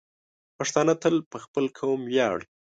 پښتانه تل په خپل قوم ویاړي.